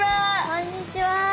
こんにちは。